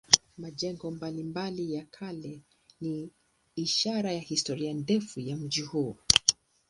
Majengo mbalimbali ya kale ni ishara ya historia ndefu ya mji huu.